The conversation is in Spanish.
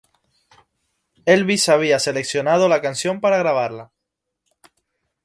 Elvis había seleccionado la canción para grabarla.